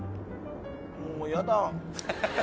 もう嫌だ。